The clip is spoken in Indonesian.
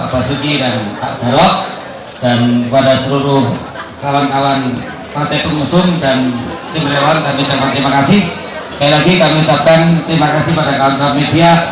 pada kawan kawan media